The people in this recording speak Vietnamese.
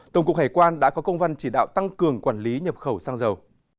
tổng cục hải quan đã có công văn chỉ đạo tăng cường quản lý nhập khẩu xăng dầu